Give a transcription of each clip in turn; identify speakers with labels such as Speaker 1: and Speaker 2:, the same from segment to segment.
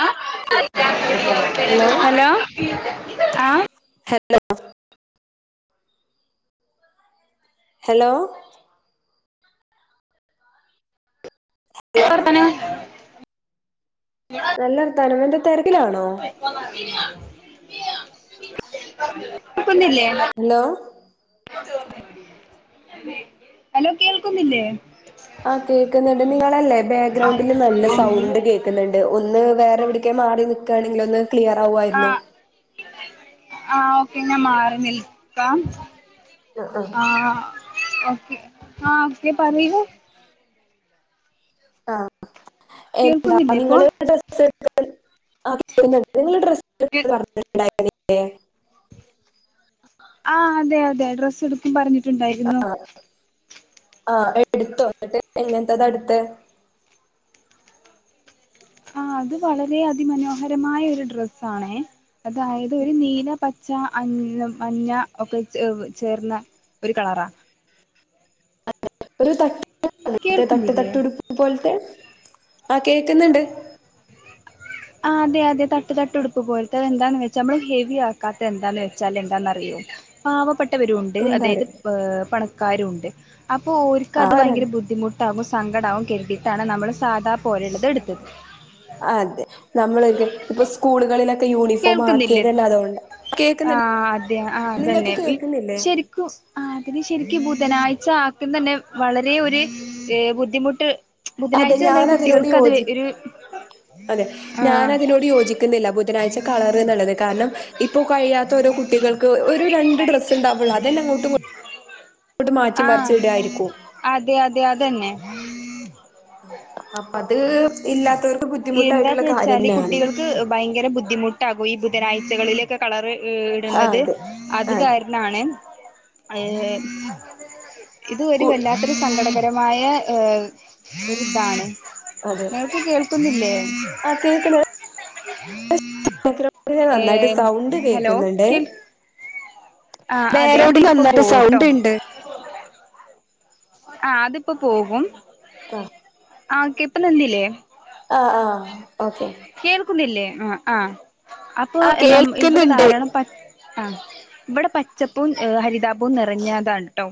Speaker 1: അ hello ആ
Speaker 2: ലൊ അ ഹെലോ
Speaker 1: ത്തവർത്താനം
Speaker 2: നല്ലർത് താനം എന്ത തെര
Speaker 1: പൊയ്കോന്നറില്ല [inaudible]
Speaker 2: അലോ
Speaker 1: അലോ കേൾക്കുന്നില്ലേ
Speaker 2: ആ കേക്ക്ന്ന്ണ്ട് നിങ്ങളല്ലേ പെഗ്രൗണ്ടിന്ന് നല്ല സൗണ്ട് കേക്ക്ന്ന്ണ്ട് ഒന്ന് വേറെ എവിട്ക്കെ മാറി നി ക്കാണെങ്കിലൊന്ന് ക്ലിയർ
Speaker 1: ആ
Speaker 2: ആവുആയിരുന്നു
Speaker 1: ആ ഓക്കെ ഞാം മാറി നിൽക്കാം
Speaker 2: അ ആ
Speaker 1: ആ നി പറീണ്
Speaker 2: ആ എയ് എന്താ
Speaker 1: കേൾക്കുന്നില്ലേ ഇപ്പൊ
Speaker 2: നിങ്ങള് ഡ്രസ്സ്ട്ത്ത്ണ് [unintelligible] ആ നിങ്ങള് ഡ്രസ്സ്ട്ത് പർഞിട്ട്ണ്ടായി [unintelligible]
Speaker 1: ആ അതെ അതെ ഡ്രസ്സ് ഇട് ക്കും പറ ണ്ടായിരുന്നോ
Speaker 2: ആഹ് എടുത്തു വന്നിട്ട് എങ്ങനത്തത എടുത്തെ
Speaker 1: ആ അത് വളരെ അതിമനോഹരമായ ഒരു ഡ്രസ്സ് ആണേ അതായത് ഒരു നീല പ ച്ച അഞ്ഞ മഞ്ഞ ഒക്കെ ചേർന്ന ഒരു കളറാ
Speaker 2: ഒരു ത തട്ട്
Speaker 1: കേൾക്കുന്നില്ലേ
Speaker 2: തട്ട്ടുപ്പ് പോലെ [unintelligible] ആ കേക്കുന്നുണ്ട്
Speaker 1: ആ അതെ അതെ തട്ട് തട്ട് ഉടുപ്പ് പോലത്തെ എന്താന്ന് വെച്ചാൽ നമ്മള് ഹെവി ആക്കാത്തത് എന്താന്ന് വെച്ചാൽ എന്താന്നറിയും പാവപ്പെട്ട വരണ്ട്
Speaker 2: എന്താ
Speaker 1: അതായത്
Speaker 2: അറിയോ
Speaker 1: പണ [unintelligible] കാര്യം ഉണ്ട് അപ്പോൊ ഓൾക്ക് അത്
Speaker 2: ആ
Speaker 1: ഭയങ്കര ബുദ്ധിമുട്ടാകും സങ്കടവും കേട്ടിട്ടാണ് നമ്മൾ സാധാ പോലുള്ളത് എടുത്തത്
Speaker 2: നമ്മൾൊ ഇപ്പൊ സ്കൂളുകളിലൊക്കെ യൂണിഫോം
Speaker 1: കേൾക്കുന്നില്ലേ
Speaker 2: ആക്കിയത് തന്നെ അതുകൊണ്ട
Speaker 1: ആ
Speaker 2: കേൾക്കുന്നുണ്ട്
Speaker 1: അതെ ആ
Speaker 2: നിങ്ങൾക്ക്
Speaker 1: അതന്നെ
Speaker 2: കേൾക്കുന്നില്ലേ
Speaker 1: ശരിക്കും ശരിക്കും ബുധനാഴ്ച ആക്കുന്ന തന്നെ വളരെ ഒരു ബുദ്ധിമുട്ട്
Speaker 2: അതെ
Speaker 1: ബുധനാഴ്ച തന്നെ
Speaker 2: ഞാൻതിനോട്
Speaker 1: കുട്ടികൾക്ക് അത്
Speaker 2: യോജി
Speaker 1: ഒരു
Speaker 2: അതെ
Speaker 1: ആ
Speaker 2: ഞാൻതിനോട് യോജിക്കുന്നില്ല ബുധന ഒരാഴ്ച ാഴച്ച കളർ നല്ലത് കാരണം ഇപ്പൊ കഴിയാത്ത ഓരോ കുട്ടികൾക്ക് ഒരു രണ്ട് ഡ്രസ്സ് ഉണ്ടാവുള്ളു അതന്നെ അങ്ങോട്ടും അങ്ങോട്ട് മാറ്റി
Speaker 1: ആ
Speaker 2: മറച്ച് ഇടായിരിക്കും
Speaker 1: ഉം [unintelligible]
Speaker 2: അപ്പ അത് ഇല്ലാത്തവർക്ക്
Speaker 1: എന്താന്ന്
Speaker 2: ബുദ്ധിമുട്ടായിട്ടുള്ള
Speaker 1: വെച്ചാല്
Speaker 2: കാര്യല്ലാണ്
Speaker 1: കുട്ടികൾക്ക് ഭയങ്കര ബുദ്ധിമുട്ടാകും ഈ ബുധനാഴ്ച കുട്ടികളിലേക്ക് കളർ
Speaker 2: ആ
Speaker 1: ഇടുന്നത്
Speaker 2: അതെ
Speaker 1: അത്
Speaker 2: അതെ
Speaker 1: കാരണാണ് അ ഇത്
Speaker 2: സ്കൂ
Speaker 1: വല്ലാത്തൊരു സങ്കടം രമായ ് ഇതാണ് [unintelligible]
Speaker 2: അതെ
Speaker 1: നിനക്ക് കേൾക്കുന്നില്ലേ [inaudible]
Speaker 2: മറ്റ് ഒരാൾക്ക് നന്നായിട്ട്
Speaker 1: ഏഹ്
Speaker 2: സൗണ്ട്
Speaker 1: ഹലോ
Speaker 2: കേക്കുന്നുണ്ടേ
Speaker 1: കേൾ ആഹ് അതെ
Speaker 2: വേറെടിൽ
Speaker 1: അതിപ്പോ
Speaker 2: വന്നിട്ട്
Speaker 1: പോവുട്ടോ
Speaker 2: സൗണ്ട് ഉണ്ട്
Speaker 1: ആഹ അതിപ്പോ പോകും
Speaker 2: ആ
Speaker 1: ആക്കെ ഇപ്പ നിന്നില്ലേ
Speaker 2: ആഹ ആഹ
Speaker 1: കേൾക്കുന്നില്ലേ ആ ആ അപ്പൊ
Speaker 2: ആഹ്
Speaker 1: എന്ന ഇവിടെ
Speaker 2: കേൾക്കുന്നുണ്ട്
Speaker 1: ധാരാളം പട്ട് ആ ഇവിടെ പച്ചപ്പും ഹരിതാപവും നിറഞ്ഞതാണ് ട്ടോ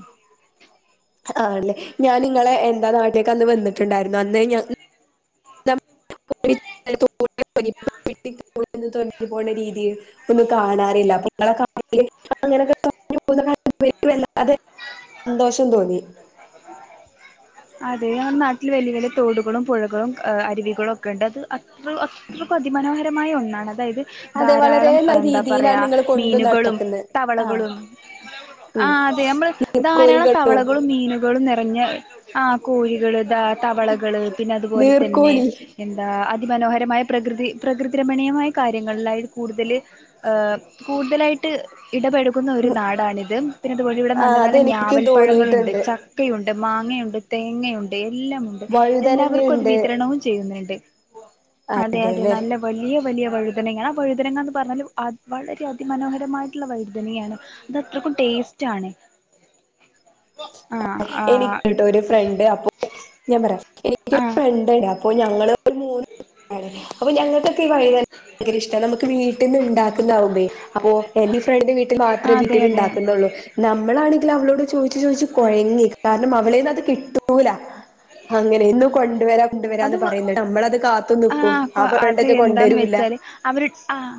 Speaker 2: ആല്ലേ ഞാൻ നിങ്ങളെ എന്താ നാട്ടിലേക്ക് അന്ന് വന്നിട്ടുണ്ടായിരുന്നു അന്ന് ഞ് നാം ഒ വിൽതാ ഒയവിത് പനിയും പി തിക്ക് പോയി നിന്നും നന്നിരീതില്ല പോണ്ട രീതിയെ ഒന്നും കാണാറില്ല അപ്പൊ ഇങ്ങളെ അപ്പൊ ഇങ്ങനെയൊക്കെ [inaudible] അവർക്ക് വല്ലാതെ സന്തോഷം തോന്നി
Speaker 1: അതെ ഞമ്മുടെ നാട്ടിൽ വലിയ വലിയ തോടുകളും പുഴകളും അരുവികളും ഒക്കെ ഉണ്ട് അത് അത്ര അത്രക്ക അതിമനോഹരമായ ഒന്നാണ്ത് അതായത്
Speaker 2: അതെ വളരെ
Speaker 1: ധാരാളം
Speaker 2: നല്ല
Speaker 1: എന്താ
Speaker 2: രീതിയിലാണ്
Speaker 1: പറയാ
Speaker 2: നിങ്ങൾ കൊണ്ടു
Speaker 1: മീനുകളും
Speaker 2: നടക്കുന്നത് ആഹ്
Speaker 1: തവളകളും ആ
Speaker 2: ഉം
Speaker 1: അതെ നമ്മൾ ധാരാളം
Speaker 2: നീർക്കോലികട്ടോ
Speaker 1: തവളകളും മീനുകളും നിറ കന്നൃയാ ആ കോഴികള് ധാര - തവളകള് പിന്നെ അതുപോലെതന്നെ
Speaker 2: നീർക്കോലി
Speaker 1: എന്താ അത് അതി മനോഹരമായ പ്രകൃതി പ്രകൃതി രമണീയമായ കാര്യങ്ങളിലായിത് കൂടുതൽ കൂടുതലായിട്ട് ഇടപെഴുകുന്ന ഒരു നാടാണിത് പിന്നെ അതുവഴി ഇവിടെ നല്ല
Speaker 2: ആഹ്
Speaker 1: നല്ല
Speaker 2: അതെനിക്കും
Speaker 1: ഞാവൽപ്പഴങ്ങളുണ്ട്
Speaker 2: തോന്നിയിട്ടുണ്ട്
Speaker 1: ചക്കയുണ്ട് മാങ്ങയുണ്ട് തേങ്ങയുണ്ടേ എല്ലാം ഉണ്ട് എല്ലാവർക്കും അത്
Speaker 2: വഴുതനങ്ങയുണ്ട്
Speaker 1: വിതരണവും ചെയ്യുന്നുണ്ട് അതെ അതെ
Speaker 2: അതെല്ലേ
Speaker 1: നല്ല വലിയ വലിയ വഴുതനങ്ങാണ് ആ വഴുതനങ്ങ എന്ന് പറഞ്ഞാല് വളരെ അതിമനോഹരമായിട്ടുള്ള വഴുതനയാണ് അത് അത്രക്കും ടേസ്റ്റ് ആണ് ആഹ് ആഹ്
Speaker 2: എനിക്ക്ണ്ടൊഒരു ഫ്രണ്ട് അപ്പോ ഞാൻ പറയാം എനിക്ക് ഒരു
Speaker 1: ആഹ്
Speaker 2: ഫ്രണ്ട് ഉണ്ട് അപ്പൊ ഞങ്ങള് മൂന്ന് പേരുണ്ട് അപ്പൊ ഞങ്ങക്ക് ഈ വഴുതനങ്ങ ഭയങ്കരഷ്ട നമക്ക് വീ തിന്ന് ഇണ്ടാക്കി നൗമി അപ്പൊ എന്റെ ഫ്രണ്ട് വീട്ടിൽ മാത്രമേ
Speaker 1: അതെ
Speaker 2: വീട്ടിൽ
Speaker 1: അതെ
Speaker 2: ഉണ്ടാക്കുന്നുള്ളൂ നമ്മളാണങ്കിൽ അവളോട് ചോദിച്ചു ചോദിച്ചു കോഴഞ് അവതളെന്ന് കിട്ടുല അങ്ങനെ ഒന്നും കൊണ്ട് വരാൻ
Speaker 1: അത്
Speaker 2: കൊണ്ടുവരാന്ന് പറയുന്നു നമ്മളത് കാത്തു നിക്കും
Speaker 1: ആഹ് കൊ
Speaker 2: ആപ്പൊ
Speaker 1: അത്
Speaker 2: വണ്ടക്കെ
Speaker 1: എന്താന്ന്
Speaker 2: കൊണ്ടുവരൂല്ല
Speaker 1: വെച്ചാല് അവര് ആഹ്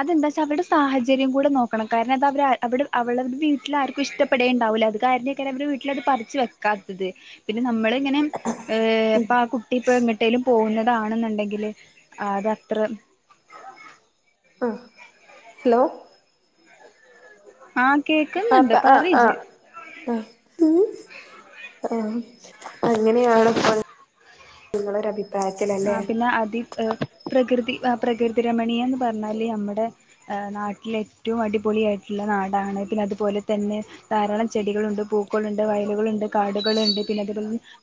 Speaker 1: അതെന്താച്ചാ അവരുടെ സാഹചര്യം കൂടെ നോക്കണം കാരണം അത് അവര് അവരുടെ വീട്ടിൽ ആർക്കും ഇഷ്ടപ്പെടേണ്ടാവൂല്ല അത് കാരണക്ക അവടെ വീട്ടിൽ അത് പറച്ചു വെക്കാത്തത് പിന്നെ നമ്മള് അങ്ങനെ ഏ ആ കുട്ടി ഇപ്പോ എങ്ങട്ടേലും പൊന്ന കാണുന്നുണ്ടകിൽ അതത്ര
Speaker 2: ഒ ഹലോ
Speaker 1: ആഹ്
Speaker 2: ആപ്പ
Speaker 1: കേക്കുന്നുണ്ട്
Speaker 2: ആ്
Speaker 1: പറയ്
Speaker 2: ആ
Speaker 1: ഇജ്ജ്
Speaker 2: ആഹ് ആ അങ്ങനെയാണ് ഇപ്പത് നിങ്ങളൊരഭി
Speaker 1: ആ പിന്നെ അതി പ്രകൃതി പ്രകൃതി രമണീയം എന്ന് പറഞ്ഞാല് നമ്മുടെ നാട്ടിലെ ഏറ്റവും അടിപൊളിയായിട്ടുള്ള നാടാണ് പിന്നെ അതുപോലെ തന്നെ ധാരാളം ചെടികളുണ്ട് പൂക്കളുണ്ട് വയലുകളുണ്ട് കാർഡുകളുണ്ട് പിന്നെ അത്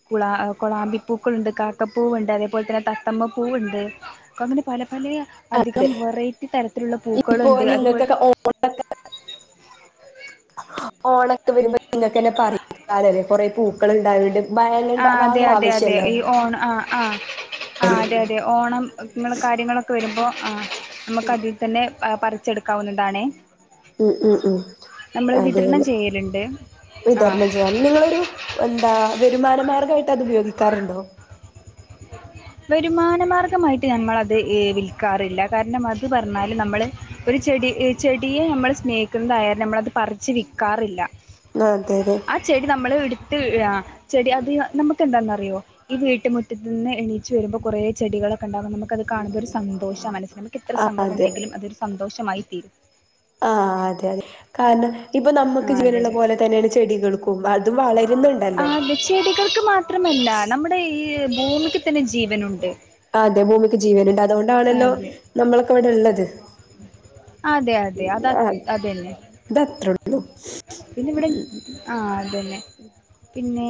Speaker 1: കുള കുളാമ്പിപ്പൂക്കൾുണ്ട് കാക്കപ്പൂവുണ്ട് അതേ അതു പോലെതന്നെ തത്തമ്മ പൂവുണ്ട് അങ്ങനെ പല വലിയ
Speaker 2: അതെ
Speaker 1: അധികം വെറൈറ്റി തരത്തിലുള്ള
Speaker 2: ഇപ്പൊ
Speaker 1: പൂക്കളുണ്ട് അതുപോൽ
Speaker 2: ഓണ ഇ വരുമ്പോ നിങ്ങക്ക്ന്നെ പറാലല്ലേ കൊറെ പൂക്കൾ ഉണ്ടാവണ്ട്
Speaker 1: ആ
Speaker 2: വാങ്ങണ്ട
Speaker 1: അതെ
Speaker 2: വാങ്ങ
Speaker 1: അതെ അതെ
Speaker 2: ആവശ്യല്ലേ
Speaker 1: ഈ ഓണം ആ ആ ആ അതെ അതെ ഓണം ഇങ്ങനെ കാര്യങ്ങളൊക്കെ വരുമ്പോൾ ആ നമുക്ക് അതിൽ തന്നെ എ ടുക്കാവുന്നണ്ടാണേ
Speaker 2: ഉം ഉം ഉം
Speaker 1: വിതരണം
Speaker 2: അതെല്ലെ
Speaker 1: ചെയ്യലുണ്ട് ആഹ്
Speaker 2: വിതരണം ചെയ്യാാം നിങ്ങളൊരു എന്താ ആ വരുമാനമാർഗമായിട്ട് അത് ഉപയോഗിക്കാറുണ്ടോ
Speaker 1: വരുമാനമാർഗമായിട്ട് ഞമ്മൾത് വിൽക്കാറില്ല കാരണം അത് പറഞ്ഞാൽ നമ്മൾ ഒരു ചെടി ചെടിയെ നമ്മൾ സ്നേഹിക്കുന്നതായാലും നമ്മളത് പറിച്ച് വിൽക്കാറില്ല
Speaker 2: ആഹ് അതെ അതെ
Speaker 1: ആ ചെടി നമ്മള് ഇടു ചെടി അത് നമുക്ക്െന്താന്നറിയോ ഈ വീട്ടുമുറ്റത്ത് നിന്ന് എണീ റ്റ് വരുമ്പൾ കുറെ ചെടി കളക്കെ ഉണ്ടാകും നമ നമക്കത് കാണു മ്പോൾ ഒരു സന്തോഷം മനസ്സിന് നമുക്ക് ഇത്ര
Speaker 2: ആ
Speaker 1: സഗടം ണ്ടങ്കിലും അതൊരു സന്തോഷമായി തീരും
Speaker 2: ആഹ അതെ അതെ കാരണം ഇപ്പൊ നമുക്ക്
Speaker 1: ആഹ് അതെ
Speaker 2: ജീവനുള്ള പോലെ തന്നെയാണ് ചെടികൾക്കും പോ്പ അതും വള
Speaker 1: ആത് ചെടികൾക്ക് മാത്രമല്ല നമ്മുടെ ഈ ഭൂമിക്ക് തന്നെ ജീവനുണ്ട്
Speaker 2: അതെ ഭൂമിക്ക് ജീവനുണ്ട് അതുകൊണ്ടാണല്ലോ
Speaker 1: അതെ
Speaker 2: നമ്മളൊക്കെ ഇവിടെ ഉള്ളത് [unintelligible]
Speaker 1: അതെ അതെ അത
Speaker 2: അത്
Speaker 1: അതന്നെ
Speaker 2: [inaudible]
Speaker 1: പിന്ന ഇവിടെ ആ അതന്നെ പിന്നെ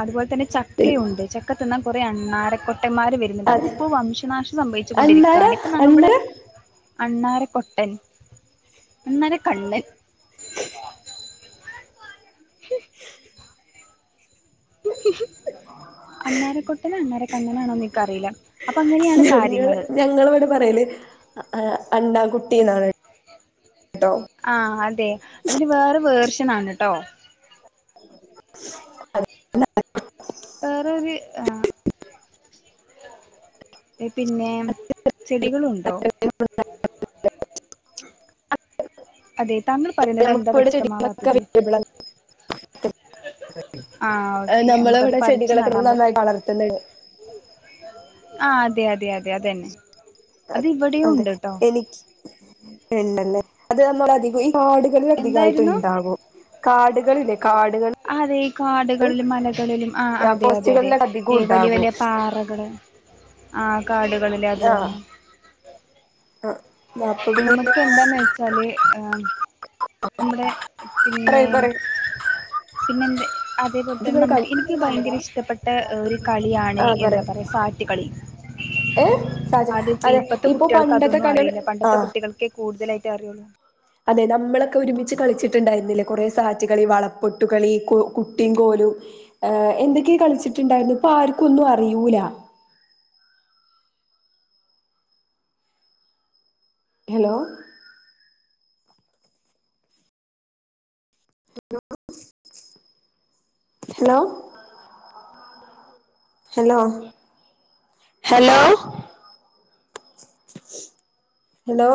Speaker 1: അതുപോലെ തന്നെ
Speaker 2: പി
Speaker 1: ചക്കയുണ്ട് ചക്കതിന്നാൻ കുറെ അണ്ണാര രന്മാര് വരുന്നുണ്ട്
Speaker 2: അത്
Speaker 1: അവരിപ്പോൾ വംശനാശം സംഭവിച്ചു
Speaker 2: അണ്ണാര
Speaker 1: കൊണ്ടിരിക്കുകയാണ് ഇപ്പൊ നമ്മുടെ
Speaker 2: അണ്ണാര
Speaker 1: അണ്ണാര കൊട്ടൻ അണ്ണാര കണ്ണൻ [unintelligible] [unintelligible] അണാരക്കൊട്ടനും അണ്ണാരക്കണ്ണനാണോ എനിക്കറിയില്ല അപ്പൊ അങ്ങനെയാണ് കാര്യങ്ങള്
Speaker 2: ആ അണ്ണാകുട്ടീന്നാണ്
Speaker 1: ആ അതെ അതിന് വേറെ വേർഷനാണ്ട്ടോ
Speaker 2: [unintelligible]
Speaker 1: വേറൊരു ആ പിന്നെ ചെടികളുണ്ടോ അതെ താങ്കൾ പറയുന്നത്
Speaker 2: നമുക്ക്
Speaker 1: എന്താ
Speaker 2: ഇവിടെ ചെടികളൊക്കെ
Speaker 1: വ്യക്തമാവാത്തത്
Speaker 2: അവലബിൾആണ്
Speaker 1: ആഹ് ഓക്കെ
Speaker 2: നമ്മൾ
Speaker 1: നമുക്കത്
Speaker 2: ഇവിടെ
Speaker 1: പറിച്ച്
Speaker 2: ചെടികളൊക്കെ
Speaker 1: നടാൻ പ
Speaker 2: നന്നായിട്ടാ വളർത്തുന്നത്
Speaker 1: ആ അതെ അതെ അതെ അതന്നെ
Speaker 2: അ
Speaker 1: അത് ഇവിടെയും
Speaker 2: അതെ
Speaker 1: ഉണ്ട് ട്ടോ
Speaker 2: എനിക്ക് ഇണ്ടല്ലേ അത് നമ്മള അധികം
Speaker 1: എന്തായിരുന്നു
Speaker 2: കാടുകളില്ലേ കാടുകൾ
Speaker 1: അതെ ഈ കാടുകളിലും മലകളിലും ആ അതെ അതെ അതെ
Speaker 2: ഫോറസ്റ്റുകളിലൊക്കെ അധികം
Speaker 1: വലിയ
Speaker 2: ഉണ്ടാകും
Speaker 1: വലിയ പാറകള് ആ കാടുകളിൽ അതു
Speaker 2: ആഹ്
Speaker 1: തന്നെ
Speaker 2: അപ്പ പിന്ന
Speaker 1: നമുക്ക് എന്താന്ന് വെച്ചാല് ആ നമ്മുടെ പിന്നെ
Speaker 2: പറയ് പറയ്
Speaker 1: പിന്നെന്ത് അതേപോലെ തന്നെ
Speaker 2: ഇതിങ്ങള് ക
Speaker 1: നമുക്ക്
Speaker 2: ഇത്
Speaker 1: എനിക്ക്
Speaker 2: ഇങ്ങള്
Speaker 1: ഭയങ്കര
Speaker 2: കണ്ടതാ
Speaker 1: ഇഷ്ടപ്പെട്ട ഒരു കളിയാണ്
Speaker 2: ആഹ്
Speaker 1: എന്താ
Speaker 2: പറയ്
Speaker 1: പറയാ സാറ്റ് കളി
Speaker 2: ഏഹ് സാജ
Speaker 1: അത്
Speaker 2: അതെ
Speaker 1: ഇപ്പത്തെ
Speaker 2: ഇപ്പൊ
Speaker 1: കുട്ടികൾക്ക്
Speaker 2: പണ്ടത്തെ
Speaker 1: അതൊന്നും
Speaker 2: കളികള്
Speaker 1: അറിയില്ല ഇവിടതെ
Speaker 2: ആഹ്
Speaker 1: കുട്ടികൾക്ക് കൂടുതലായിട്ട് അറിയോള്ളൂ
Speaker 2: അതെ നമ്മളൊക്കെ ഒരുമിച്ച് കളിച്ചിട്ടുണ്ടായിരുന്നില്ലേ കുറെ സാറ്റ് കളി വളപ്പൊട്ട് കളി കു കുട്ടീൻ കോലും യെ എന്തൊക്കെ കളിച്ചിട്ടുണ്ടായിരുന്നു ഇപ്പൊ ആർക്കും ഒന്നും അറിയൂല hello hello hello hello hello hello